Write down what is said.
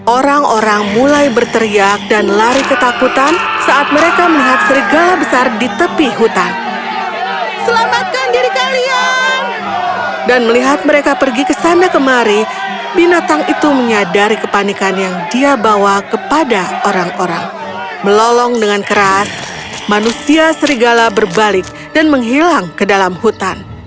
orang orang mulai berteriak dan lari ketakutan saat mereka melihat serigala besar di tepi hutan